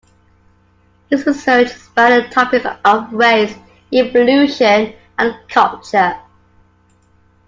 His research spanned the topics of race, evolution, and culture.